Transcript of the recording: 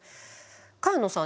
萱野さん